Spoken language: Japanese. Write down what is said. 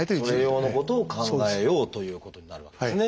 それ用のことを考えようということになるわけですね。